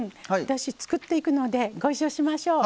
私作っていくのでご一緒しましょう。